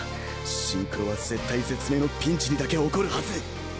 シンクロは絶体絶命のピンチにだけ起こるはず。